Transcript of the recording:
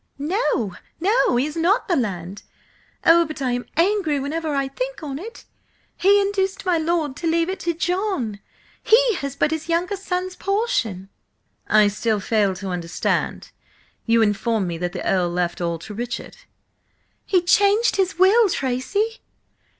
"No! No! He has not the land! Oh, but I am angry whenever I think on it! He induced my lord to leave it to John. He has but his younger son's portion!" "I still fail to understand. You informed me that the Earl left all to Richard?" "He changed his will, Tracy!"